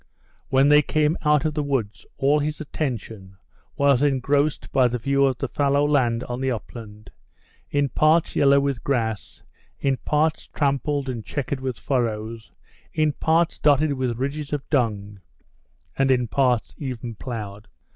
When they came out of the woods, all his attention was engrossed by the view of the fallow land on the upland, in parts yellow with grass, in parts trampled and checkered with furrows, in parts dotted with ridges of dung, and in parts even ploughed.